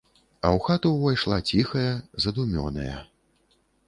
А ў хату ўвайшла ціхая, задумёная.